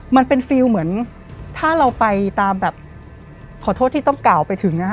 มันเป็นฟิลล์เหมือนถ้าเราไปตามแบบขอโทษที่ต้องกล่าวไปถึงนะคะ